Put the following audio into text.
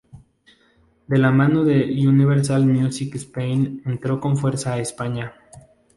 De la mano de Universal Music Spain entró con fuerza a España.